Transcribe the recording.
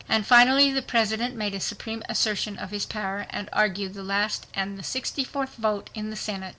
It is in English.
And finally the President made a supreme assertion of his power, and secured the last and 64th vote in the Senate.